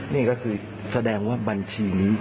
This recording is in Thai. นี่ก็คือแสดงว่าบัญชีนี้